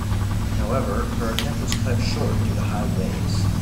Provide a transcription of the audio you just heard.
However, her attempt was cut short due to high waves.